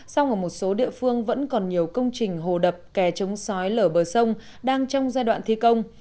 song ở một số địa phương vẫn còn nhiều công trình hồ đập kè chống sói lở bờ sông đang trong giai đoạn thi công